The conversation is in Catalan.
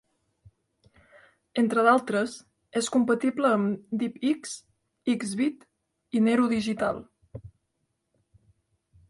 Entre d'altres, és compatible amb DivX, Xvid i Nero Digital.